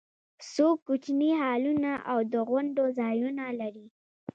څو کوچني هالونه او د غونډو ځایونه لري.